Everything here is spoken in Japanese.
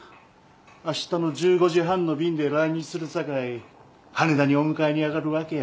あしたの１５時半の便で来日するさかい羽田にお迎えに上がるわけや。